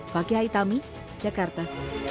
fakih haithami jakarta